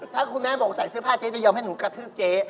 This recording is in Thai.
ถ้าคุณแม่บอกใส่เสื้อผ้าเจ๊จะยอมให้หนูกระทืบเจ๊